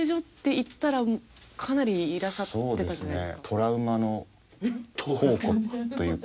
トラウマの宝庫というか。